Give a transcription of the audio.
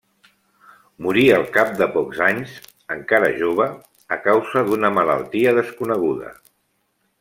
Mori al cap de pocs anys, encara jove, a causa d'una malaltia desconeguda.